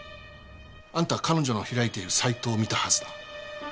あんたは彼女の開いているサイトを見たはず。